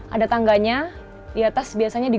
ada tangganya di atas